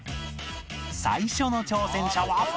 最初の挑戦者は